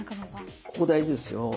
ここ大事ですよ。